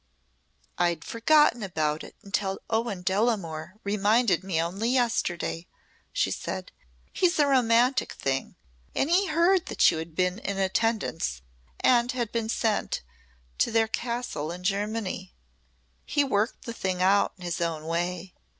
"I'd forgotten about it until Owen Delamore reminded me only yesterday," she said. "He's a romantic thing and he heard that you had been in attendance and had been sent to their castle in Germany. He worked the thing out in his own way.